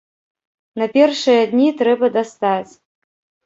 На першыя дні трэба дастаць.